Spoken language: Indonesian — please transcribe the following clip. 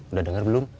udah denger belum